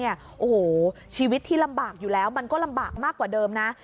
โอ้โหชีวิตที่ลำบากอยู่แล้วมันก็ลำบากมากกว่าเดิมนะ